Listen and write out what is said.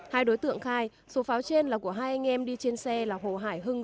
hai đối tượng khai số pháo trên là của hai anh em đi trên xe là hồ hải hưng